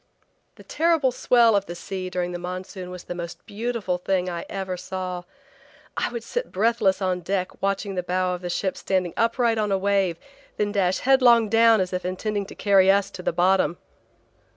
The terrible swell of the sea during the Monsoon was the most beautiful thing I ever saw. I would sit breathless on deck watching the bow of the ship standing upright on a wave then dash headlong down as if intending to carry us to the bottom.